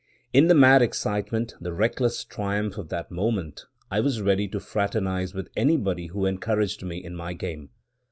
In the mad excitement, the reckless triumph of that moment, I was ready to "fraternize" with anybody who encouraged me in my game.